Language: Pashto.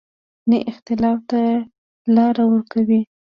نه اختلاف ته لار ورکوي.